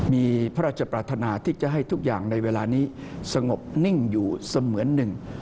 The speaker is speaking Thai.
มีพระราชปรารถนาที่จะให้ทุกอย่างในเวลานี้สงบนิ่งอยู่เสมือนหนึ่ง